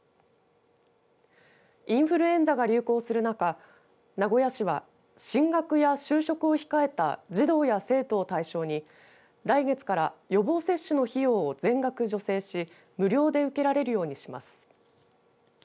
インフルエンザが流行するなか名古屋市は進学や就職を控えた児童や生徒を対象に来月から予防接種の費用を全額助成し無料で受けられるようにします。